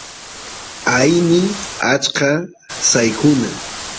aini achka saykuna